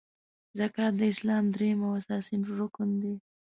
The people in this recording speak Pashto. زکات د اسلام دریم او اساسې رکن دی .